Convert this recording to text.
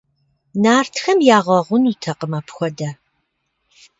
Нартхэм ягъэгъунутэкъым апхуэдэ.